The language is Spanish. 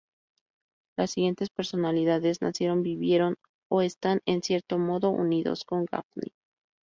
Las siguientes personalidades nacieron, vivieron o están en cierto modo unidos con Gaffney.